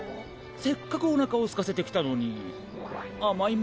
せっかくおなかをすかせてきたのにあまいものは？